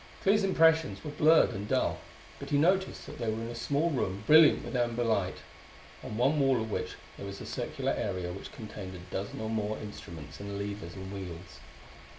Clee's impressions were blurred and dull, but he noticed that they were in a small room brilliant with amber light, on one wall of which there was a circular area which contained a dozen or more instruments and levers and wheels.